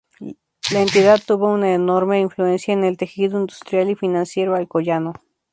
La entidad tuvo una enorme influencia en el tejido industrial y financiero alcoyano.